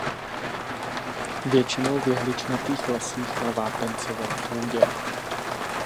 Většinou v jehličnatých lesích na vápencové půdě.